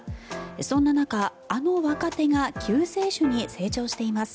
そんな中、あの若手が救世主に成長しています。